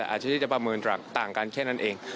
อาจจะพราบเมืองต่างกันแค่นั่นเอง